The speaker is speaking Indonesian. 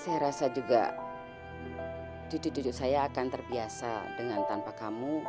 saya rasa juga cucu cucu saya akan terbiasa dengan tanpa kamu